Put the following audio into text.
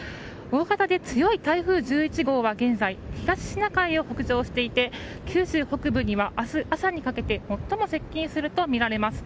大型で強い台風１１号は現在、東シナ海を北上していて九州北部には明日朝にかけて最も接近するとみられます。